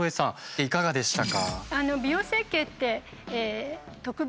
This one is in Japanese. いかがでしたか？